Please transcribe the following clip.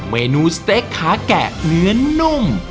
เมนูสเต๊กขาแกะเนื้อนุ่ม